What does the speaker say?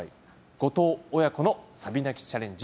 五島親子のサビ泣きチャレンジ